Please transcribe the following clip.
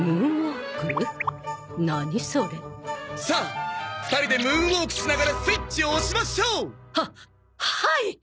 さあ２人でムーンウォークしながらスイッチを押しましょう！ははい！